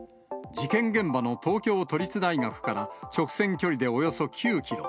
事件現場の東京都立大学から直線距離でおよそ９キロ。